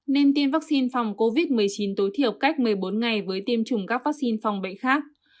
nên tiêm vaccine phòng covid một mươi chín tối thiểu cách một mươi bốn ngày với tiêm chủng các vaccine phòng bệnh khác